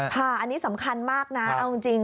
ค่ะอันนี้สำคัญมากนะเอาจริง